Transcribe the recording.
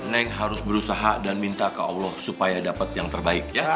neng harus berusaha dan minta ke allah supaya dapat yang terbaik ya